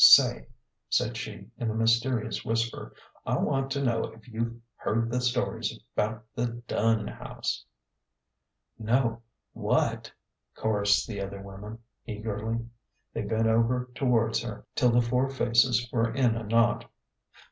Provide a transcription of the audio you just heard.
Say," said she, in a mysterious whisper, " I want to know if you've heard the stories 'bout the Dunn house ?"" No ; what ?" chorussed the other women, eagerly. They bent over towards her till the four faces were in a knot.